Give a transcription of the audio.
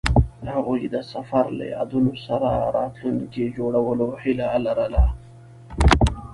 هغوی د سفر له یادونو سره راتلونکی جوړولو هیله لرله.